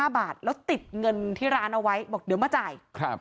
๕บาทแล้วติดเงินที่ร้านเอาไว้บอกเดี๋ยวมาจ่าย